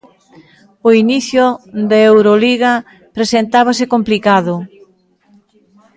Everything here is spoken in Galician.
O inicio da Euroliga presentábase complicado.